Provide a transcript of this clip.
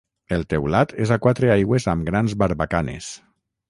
El teulat és a quatre aigües amb grans barbacanes.